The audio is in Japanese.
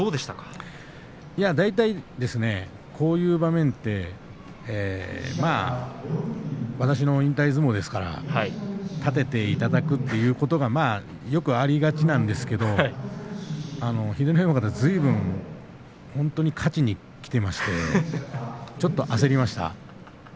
大体こういう場面で私の引退相撲ですから私に勝たせていただくことがよくありがちなんですけれども秀ノ山がずいぶんと本当に勝ちにきてましてちょっと焦りました。